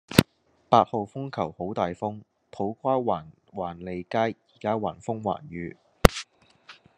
八號風球好大風，土瓜灣環利街依家橫風橫雨